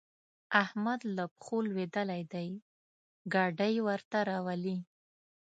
احمد له پښو لوېدلی دی؛ ګاډی ورته راولي.